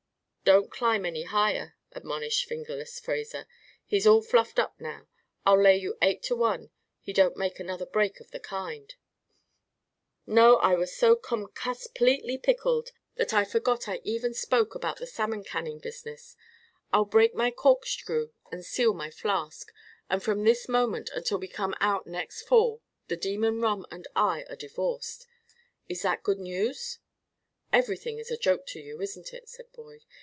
"Don't climb any higher," admonished "Fingerless" Fraser. "He's all fluffed up now. I'll lay you eight to one he don't make another break of the kind." "No, I was so com cussed pletely pickled that I forgot I even spoke about the salmon canning business. I'll break my corkscrew and seal my flask, and from this moment until we come out next fall the demon rum and I are divorced. Is that good news?" "Everything is a joke to you, isn't it?" said Boyd.